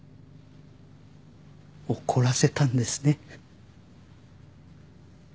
怒らせたんですね。